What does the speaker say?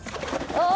ああ。